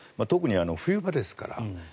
特に冬場ですから。